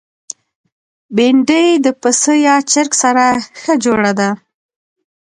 بېنډۍ د پسه یا چرګ سره ښه جوړه ده